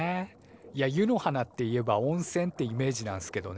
いや湯の花っていえば温泉ってイメージなんすけどね。